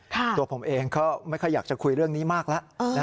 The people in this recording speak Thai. ตัวผมเองก็ไม่ค่อยอยากจะคุยเรื่องนี้มากแล้ว